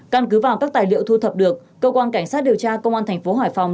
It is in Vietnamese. căn cứ vào các tài liệu thu thập được cơ quan cảnh sát điều tra công an thành phố hải phòng